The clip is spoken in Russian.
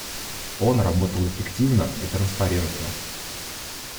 Он работал эффективно и транспарентно.